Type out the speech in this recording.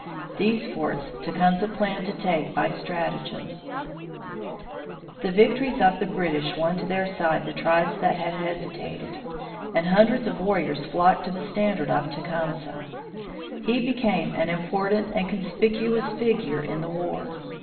These forts Tecumseh planned to take by stratagem. [Illustration: FORT DETROIT IN 1812] The victories of the British won to their side the tribes that had hesitated, and hundreds of warriors flocked to the standard of Tecumseh. He became an important and conspicuous figure in the war.